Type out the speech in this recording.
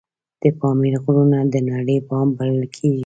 د پامیر غرونه د نړۍ بام بلل کیږي